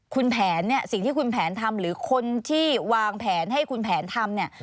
คุณแผนเนี่ยสิ่งที่คุณแผนทำหรือคนที่วางแผนให้คุณแผนทำเนี่ย